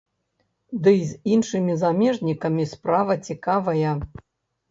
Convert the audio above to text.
Дый з іншымі замежнікамі справа цікавая.